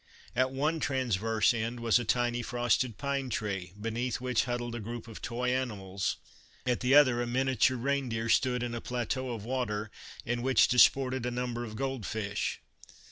At one transverse end was a tiny frosted pine tree, beneath which huddled a group of toy animals ; at the other a miniature rein deer stood in a plateau of water in which disported a number of gold fish.